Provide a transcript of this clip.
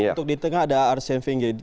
untuk di tengah ada arsene wenger